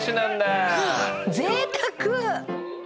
ぜいたく！